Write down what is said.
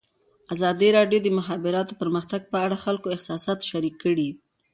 ازادي راډیو د د مخابراتو پرمختګ په اړه د خلکو احساسات شریک کړي.